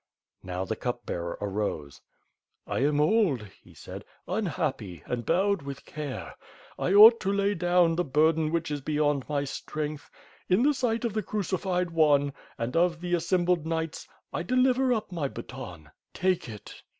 Now the Cup Bearer arose. "I am old," he said, "unhappy, and bowed with care. I ought to lay down the burden which is beyond my strength. In the sight of the Crucified One, and of the assembled knights, I deliver up my baton — take it!"